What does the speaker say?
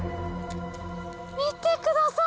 見てください！